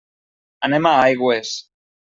Anem a Aigües.